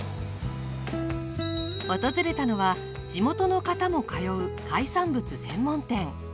訪れたのは地元の方も通う海産物専門店。